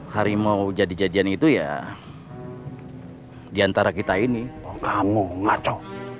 harimau jadi jadian itu ya diantara kita ini kamu ngaco